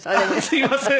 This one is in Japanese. すいません。